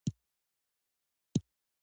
ښارونه د دوامداره پرمختګ لپاره اړین بلل کېږي.